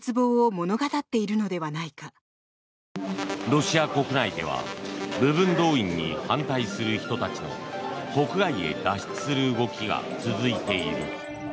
ロシア国内では部分動員に反対する人たちの国外へ脱出する動きが続いている。